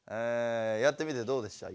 やってみてどうでした？